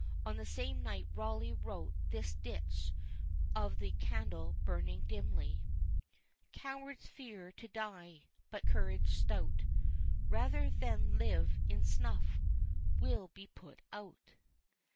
On the same night Rawleigh wrote this distich on the candle burning dimly: Cowards fear to die; but courage stout, Rather than live in snuff, will be put out.